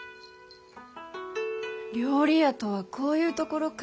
料理屋とはこういう所か。